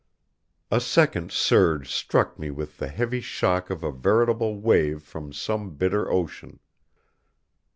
A second surge struck me with the heavy shock of a veritable wave from some bitter ocean.